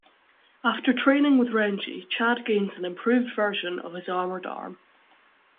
After training with Renji, Chad gains an improved version of his armored arm.